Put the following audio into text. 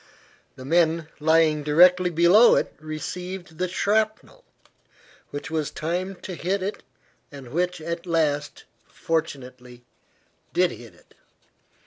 The men lying directly below it received the shrapnel which was timed to hit it, and which at last, fortunately, did hit it.